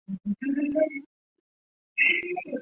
但是他人认为此是误记。